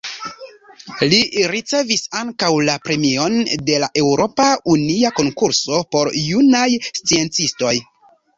Li ricevis ankaŭ la Premion de la Eŭropa Unia Konkurso por Junaj Sciencistoj.